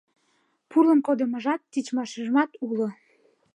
Пурлын кодымыжат, тичмашыжат уло.